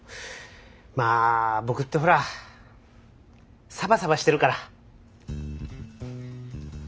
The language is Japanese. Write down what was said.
まあ僕ってほらサバサバしてるから！